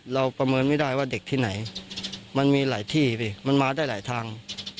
ประเมินไม่ได้ว่าเด็กที่ไหนมันมีหลายที่สิมันมาได้หลายทาง